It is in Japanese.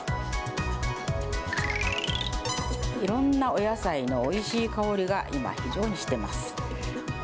いろんなお野菜のおいしい香りが、今、非常にしています。